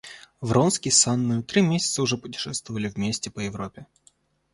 Вронский с Анною три месяца уже путешествовали вместе по Европе.